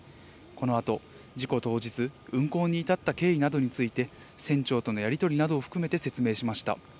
このあと、事故当日、運航に至った経緯などについて、船長とのやり取りなどを含めて説明しました。